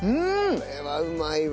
これはうまいわ。